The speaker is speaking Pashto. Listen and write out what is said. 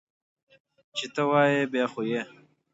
چې ته وایې، بیا خو دي!